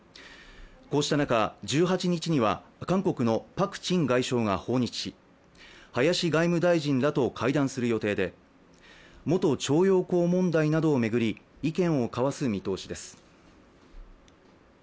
こうした中１８日には、韓国のパク・チン外相が訪日し、林外務大臣らと会談する予定で、元徴用工問題などを巡り意見を交わす見通しです。